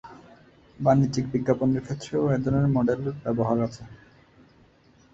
বাণিজ্যিক বিজ্ঞাপনের ক্ষেত্রেও এ ধরনের মডেলের ব্যবহার আছে।